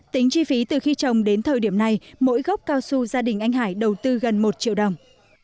tính chi phí từ khi trồng đến thời điểm này mỗi gốc cao su gia đình anh hải đầu tư gần một triệu đồng